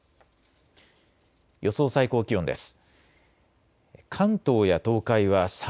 予想最高気温です。